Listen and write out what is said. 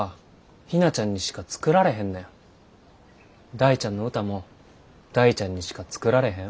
大ちゃんの歌も大ちゃんにしか作られへん。